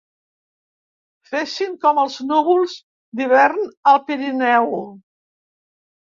Fessin com els núvols d'hivern al Pirineu.